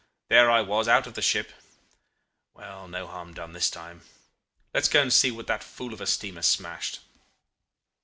There I was, out of the ship. Well, no harm done this time. Let's go and look at what that fool of a steamer smashed.